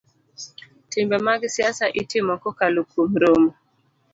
Timbe mag siasa itimo kokalo kuom romo